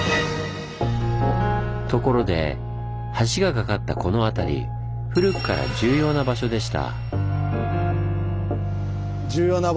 ところで橋が架かったこの辺り古くから重要な場所でした。